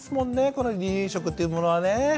この離乳食というものはね。